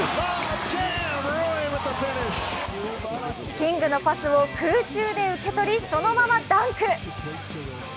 キングのパスを空中で受け取りそのままダンク。